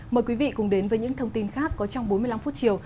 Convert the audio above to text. mời quý vị cùng đến với những thông tin khác có trong bốn mươi năm phút chiều